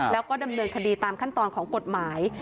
แล้วก็ดำเนินคดีตามขั้นตอนของกฎหมาย